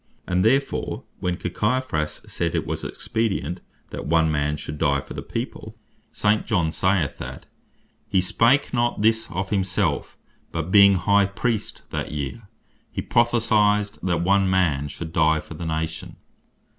And therefore when Caiphas said, it was expedient that one man should die for the people, St. John saith (chap. 11.51.) that "He spake not this of himselfe, but being High Priest that year, he prophesied that one man should dye for the nation."